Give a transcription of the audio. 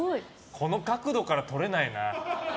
この角度から撮れないな。